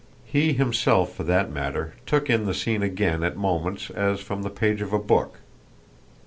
He himself for that matter took in the scene again at moments as from the page of a book.